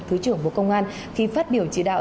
thứ trưởng bộ công an khi phát biểu chỉ đạo